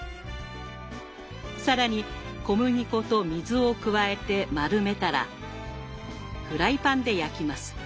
更に小麦粉と水を加えて丸めたらフライパンで焼きます。